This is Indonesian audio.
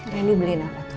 ren beli apa itu